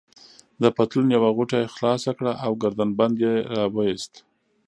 د پتلون یوه غوټه يې خلاصه کړه او ګردن بند يې راوایست.